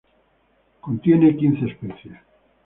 Contiene quince especies.